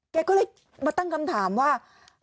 แกก็เลยมาตั้งคำถามว่า